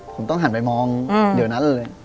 ผมต้องหันไปมองเดี๋ยวนั้นเลย